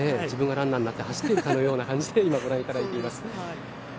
自分がランナーになって走っているような感じで今、ご覧いただいています。